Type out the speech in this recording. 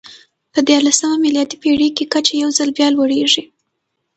په دیارلسمه میلادي پېړۍ کې کچه یو ځل بیا لوړېږي.